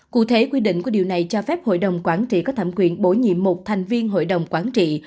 cụ thể quy định của điều này cho phép hội đồng quản trị có thẩm quyền bổ nhiệm một thành viên hội đồng quản trị